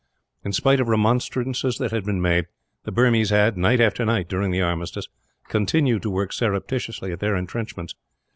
In spite of remonstrances that had been made, the Burmese had, night after night during the armistice, continued to work surreptitiously at their entrenchments.